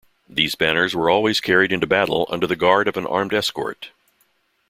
These banners were always carried into battle under the guard of an armed escort.